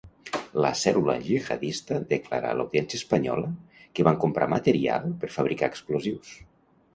La cèl·lula gihadista declara a l'Audiència espanyola que van comprar material per fabricar explosius.